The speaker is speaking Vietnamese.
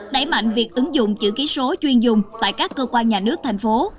đẩy mạnh việc ứng dụng chữ ký số chuyên dùng tại các cơ quan nhà nước thành phố